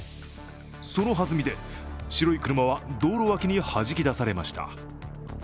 その弾みで、白い車は道路脇にはじき出されました。